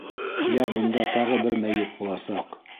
Йә бында тағы бер мәйет буласаҡ!